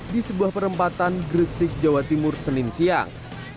di sebuah perempatan gresik jawa timur senin siang